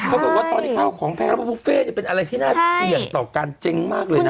เขาบอกว่าตอนนี้ข้าวของแพรบุฟเฟ่เป็นอะไรที่น่าเสี่ยงต่อการเจ๊งมากเลยนะ